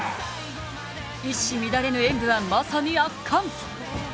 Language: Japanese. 一糸乱れぬ演武はまさに圧巻。